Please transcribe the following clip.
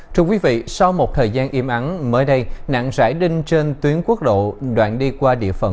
trong một thời gian im ắn nạn rải đinh trên tuyến quốc độ đoạn đi qua địa phận